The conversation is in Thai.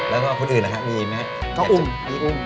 แล้วก็คนอื่นนะครับมีอุ่ม